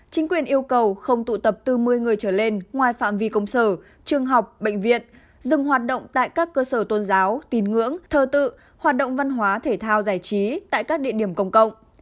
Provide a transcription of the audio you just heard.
chính quyền yêu cầu không tụ tập từ một mươi người trở lên ngoài phạm vi công sở trường học bệnh viện dừng hoạt động tại các cơ sở tôn giáo tín ngưỡng thờ tự hoạt động văn hóa thể thao giải trí tại các địa điểm công cộng